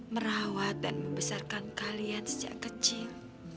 merawat dan membesarkan kalian sejak kecil